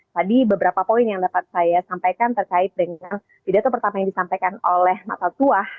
tadi beberapa poin yang dapat saya sampaikan terkait dengan pidato pertama yang disampaikan oleh mata tuah